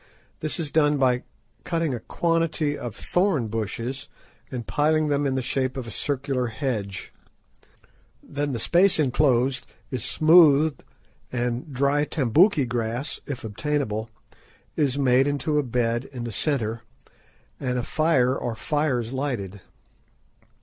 This is done by cutting a quantity of thorn bushes and piling them in the shape of a circular hedge. Then the space enclosed is smoothed, and dry tambouki grass, if obtainable, is made into a bed in the centre, and a fire or fires lighted.